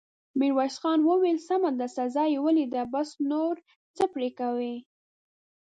ميرويس خان وويل: سمه ده، سزا يې وليده، بس، نور څه پرې کوې!